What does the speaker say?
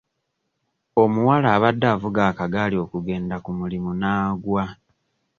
Omuwala abadde avuga akagaali okugenda ku mulimu n'agwa.